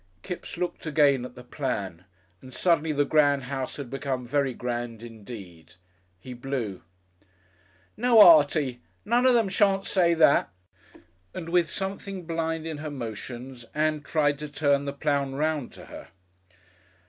Kipps looked again at the plan, and suddenly the grand house had become very grand indeed. He blew. "No, Artie, none of them shan't say that," and with something blind in her motions Ann tried to turn the plan round to her....